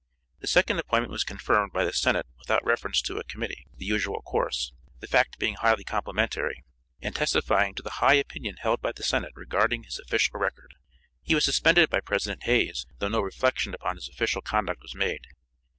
The second appointment was confirmed by the Senate without reference to a committee, the usual course, the fact being highly complimentary, and testifying to the high opinion held by the Senate regarding his official record. He was suspended by President Hayes, though no reflection upon his official conduct was made.